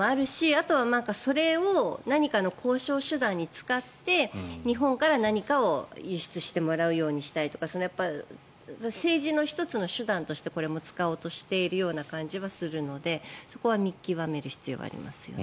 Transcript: あとはそれを何かの交渉手段に使って日本から何かを輸出してもらうようにしたいとか政治の１つの手段としてこれも使おうとしている気もするのでそこは見極める必要がありますよね。